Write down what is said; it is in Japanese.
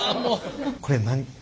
これ何か。